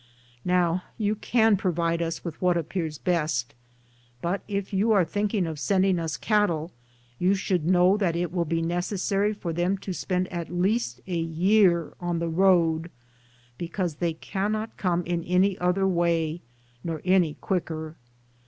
Now, you can provide us with what appears best ; but if you are think ing of sending us cattle, you should know that it will be necessary for them to spend at least a year on the road, because they can not come in any other way, nor any quicker.